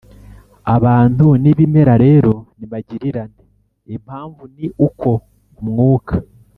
abantu n'ibimera rero ni magirirane. impamvu ni uko umwuka